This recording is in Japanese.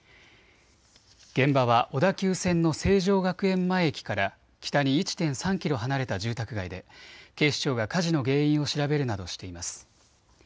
現場は小田急線の成城学園前駅から北に１．３キロ離れた住宅街で警視庁が火事の原因を調べるなどしています。